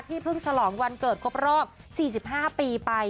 เพิ่งฉลองวันเกิดครบรอบ๔๕ปีไป